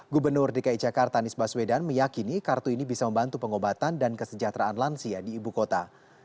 gubernur dki jakarta anies baswedan meyakini kartu ini bisa membantu pengobatan dan kesejahteraan lansia di ibu kota